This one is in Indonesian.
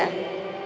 kok tumben ya